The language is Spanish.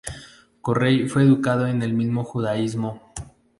Corey fue educado en el judaísmo.